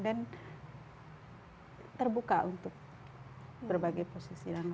dan terbuka untuk berbagai posisi yang lain